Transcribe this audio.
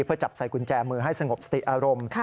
เพื่อจับใส่กุญแจมือให้สงบสติอารมณ์